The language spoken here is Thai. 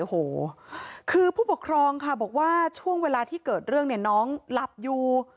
โอ้โหคือผู้ปกครองค่ะบอกว่าช่วงเวลาที่เกิดเรื่องเนี่ยน้องหลับอยู่